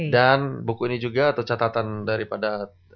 dan buku ini juga tercatatan daripada